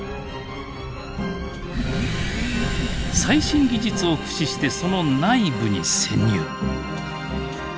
最新技術を駆使してその内部に潜入！